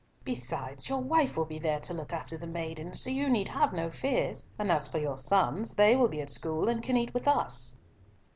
Besides, your wife will be there to look after the maiden, so you need have no fears. And for your sons, they will be at school, and can eat with us."